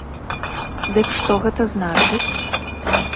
Дык што гэта значыць?